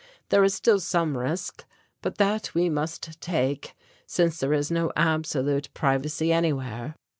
There is still some risk, but that we must take, since there is no absolute privacy anywhere.